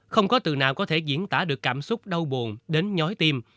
không có từ nào có thể diễn tả được cảm xúc đau buồn đến nhói tim